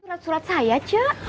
surat surat saya cek